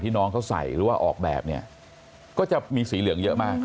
น้องเขาใส่หรือว่าออกแบบเนี่ยก็จะมีสีเหลืองเยอะมาก